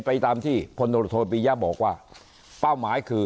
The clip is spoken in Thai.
เป็นตามที่พลนุรโทพีย์บอกว่า